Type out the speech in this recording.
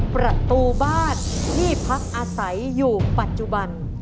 ประตูบ้านที่พักอาศัยอยู่ปัจจุบัน